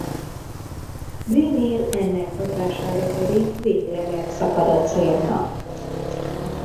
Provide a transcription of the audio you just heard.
Bree-nél ennek hatására pedig végleg elszakad a cérna.